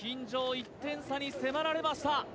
１点差に迫られました